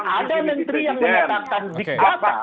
ada menteri yang menetapkan dikata